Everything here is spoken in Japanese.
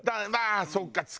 まあそっか。